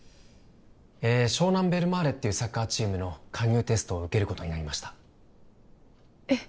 湘南ベルマーレっていうサッカーチームの加入テストを受けることになりましたえっ？